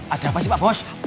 ada apa sih pak bos